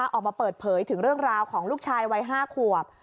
ออกมาเปิดเผยถึงเรื่องราวของลูกชายวัย๕ขวบ